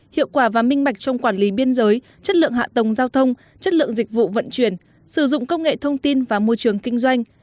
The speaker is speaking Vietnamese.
hiệu quả và minh bạch trong quản lý biên giới chất lượng hạ tầng giao thông chất lượng dịch vụ vận chuyển sử dụng công nghệ thông tin và môi trường kinh doanh